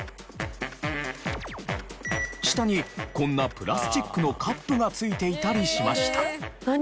下にこんなプラスチックのカップが付いていたりしました。